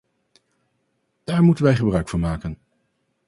Daar moeten wij gebruik van maken.